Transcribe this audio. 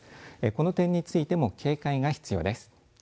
この点についても警戒が必要です。